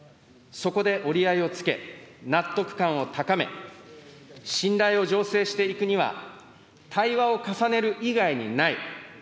そこで折り合いをつけ、納得感を高め、信頼を醸成していくためには、対話を重ねる以外にない。